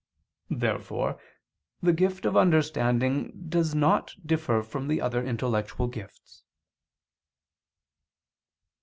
Therefore the gift of understanding does not differ from the other intellectual gifts.